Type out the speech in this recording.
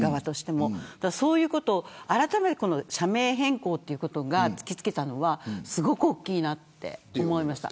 そういうことをあらためて社名変更ということが突き付けたのはすごく大きいなと思いました。